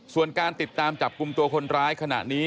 ส่วนการติดตามจับกลุ่มตัวคนร้ายขณะนี้